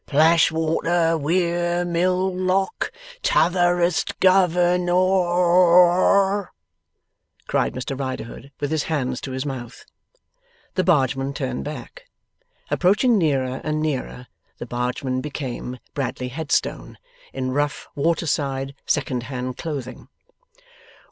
'Plashwater Weir Mill Lock, T'otherest gov er nor or or or!' cried Mr Riderhood, with his hands to his mouth. The bargeman turned back. Approaching nearer and nearer, the bargeman became Bradley Headstone, in rough water side second hand clothing.